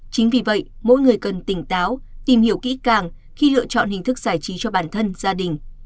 chính vì vậy mỗi người cần tỉnh táo tìm hiểu kỹ càng khi lựa chọn hình thức giải trí cho bản thân gia đình